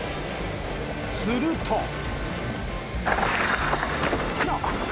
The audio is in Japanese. すると。